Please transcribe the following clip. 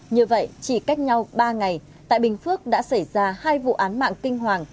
như vậy chỉ cách nhau ba ngày tại bình phước đã xảy ra hai vụ án mạng kinh hoàng